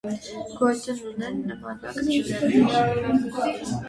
Գոյություն ունեն նմանակ բյուրեղներ։